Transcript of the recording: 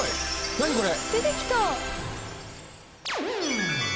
何これ。